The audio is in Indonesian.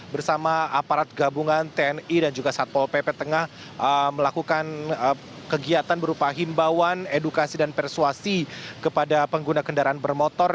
bersama aparat gabungan tni dan juga satpol pp tengah melakukan kegiatan berupa himbauan edukasi dan persuasi kepada pengguna kendaraan bermotor